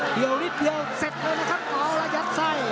เดี๋ยวเสร็จเลยนะครับอ๋อระยัดใส่